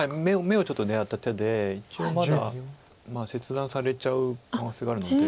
眼をちょっと狙った手で一応まだ切断されちゃう可能性があるので。